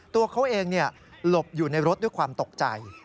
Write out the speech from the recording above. ตัวเขาเองหลบอยู่ในรถด้วยความตกใจ